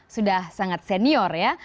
sudah sangat senior ya